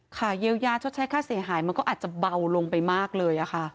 เยียวยาชดใช้ค่าเสียหายมันก็อาจจะเบาลงไปมากเลยค่ะ